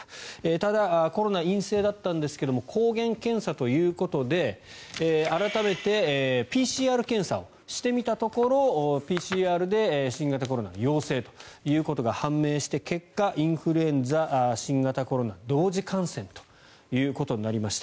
ただ、コロナ陰性だったんですが抗原検査ということで改めてＰＣＲ検査をしてみたところＰＣＲで新型コロナが陽性ということが判明して結果インフルエンザ、新型コロナ同時感染ということになりました。